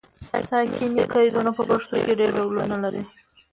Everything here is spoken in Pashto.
ساکني قیدونه په پښتو کې ډېر ډولونه لري.